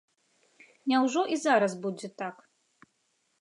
Няўжо і зараз будзе так?